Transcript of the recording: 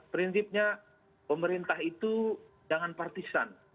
prinsipnya pemerintah itu jangan partisan